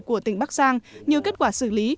của tỉnh bắc giang như kết quả xử lý